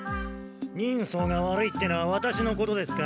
人相が悪いってのはワタシのことですか？